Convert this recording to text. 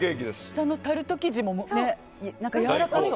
下のタルト生地もやわらかそう。